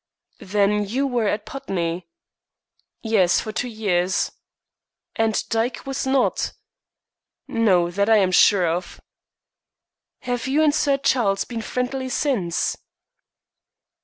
"Then you were at Putney?" "Yes, for two years." "And Dyke was not?" "No; that I am sure of." "Have you and Sir Charles been friendly since?"